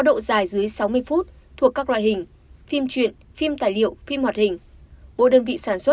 độ dài dưới sáu mươi phút thuộc các loại hình phim truyện phim tài liệu phim hoạt hình bốn đơn vị sản xuất